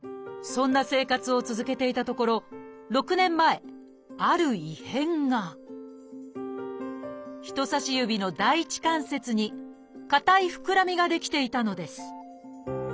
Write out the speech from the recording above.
そんな生活を続けていたところ６年前ある異変が人さし指の第一関節に硬い膨らみが出来ていたのです。